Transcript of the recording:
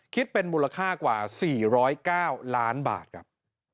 คิดเป็นมูลค่ากว่า๔๐๙ล้านบาทครับ